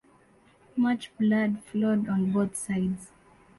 Much blood flowed on both sides.